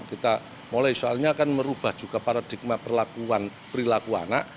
kita mulai soalnya akan merubah juga paradigma perlakuan perilaku anak